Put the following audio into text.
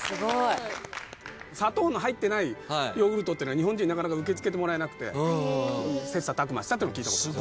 砂糖の入ってないヨーグルトってのは日本人受け付けてもらえなくて切磋琢磨したっていうの聞いたことある。